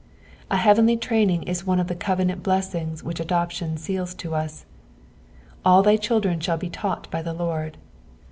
A heavenly training is one of the coTcnant blessings which adoption seals to us :" All thy children shall be taught by the Lord."